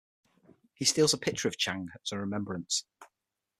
He steals a picture of Chang as a remembrance.